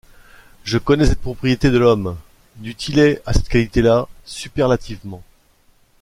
Je connais cette propriété de l’homme: du Tillet a cette qualité-là, superlativement.